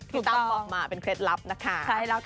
ตั้มบอกมาเป็นเคล็ดลับนะคะ